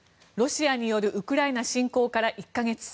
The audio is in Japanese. ロシアによるウクライナ侵攻から１か月。